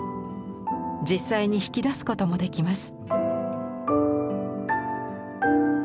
実際に引き出すこともできます。